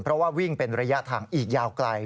เพราะว่าวิ่งเป็นระยะทางอีกยาวไกล